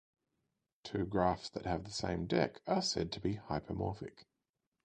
Two graphs that have the same deck are said to be hypomorphic.